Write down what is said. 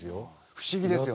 不思議ですよね。